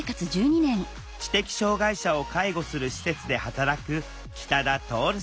知的障害者を介護する施設で働く北田徹さん